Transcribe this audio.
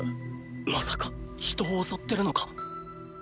まさか人を襲ってるのか？